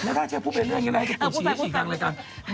แล้วขอให้พูดไปเรื่องให้พูดฉี่ฉี่กังรายการ